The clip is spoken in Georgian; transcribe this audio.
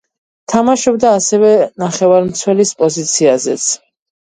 თამაშობდა ასევე, ნახევარმცველის პოზიციაზეც.